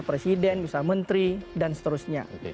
presiden bisa menteri dan seterusnya